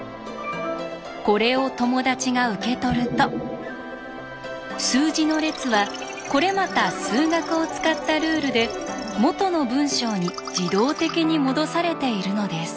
これを友達が受け取ると数字の列はこれまた数学を使ったルールで元の文章に自動的にもどされているのです。